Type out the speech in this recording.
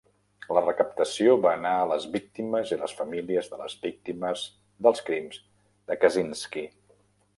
La recaptació va anar a les víctimes i les famílies de les víctimes dels crims de Kaczynski.